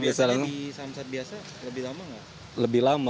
biasanya di samsat biasa lebih lama nggak